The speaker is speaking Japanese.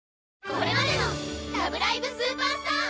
これまでの「ラブライブ！スーパースター！！」